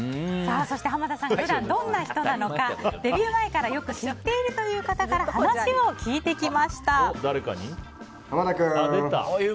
そして濱田さんが普段どんな人なのかデビュー前からよく知っているという方から話を聞いてきました。